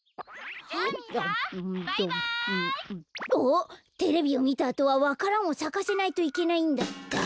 あっテレビをみたあとはわか蘭をさかせないといけないんだった。